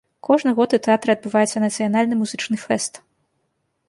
Кожны год у тэатры адбываецца нацыянальны музычны фэст.